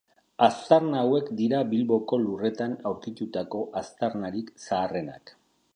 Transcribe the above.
Aztarna hauek dira Bilboko lurretan aurkitutako aztarnarik zaharrenak.